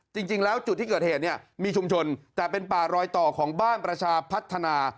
จริงแล้วจุดที่เกิดเหตุเนี่ยมีชุมชนแต่เป็นป่ารอยต่อของบ้านประชาพัฒนา